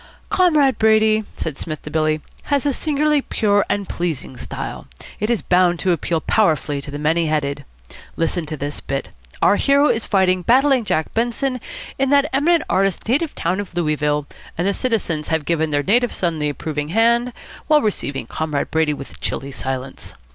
"Comrade Brady," said Psmith to Billy, "has a singularly pure and pleasing style. It is bound to appeal powerfully to the many headed. Listen to this bit. Our hero is fighting Battling Jack Benson in that eminent artist's native town of Louisville, and the citizens have given their native son the Approving Hand, while receiving Comrade Brady with chilly silence.